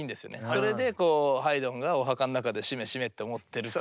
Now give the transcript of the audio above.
それでこうハイドンがお墓の中でしめしめと思ってるという。